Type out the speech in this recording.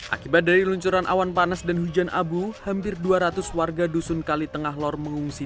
akibat dari luncuran awan panas dan hujan abu hampir dua ratus warga dusun kali tengah lor mengungsi